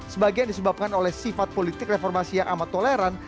sebagian disebabkan oleh sifat politik reformasi yang amat toleran